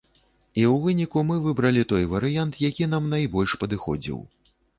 І ў выніку мы выбралі той варыянт, які нам найбольш падыходзіў.